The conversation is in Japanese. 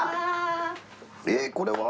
えっこれは？